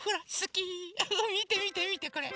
みてみてみてこれ。